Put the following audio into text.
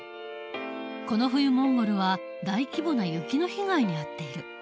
この冬モンゴルは大規模な雪の被害に遭っている。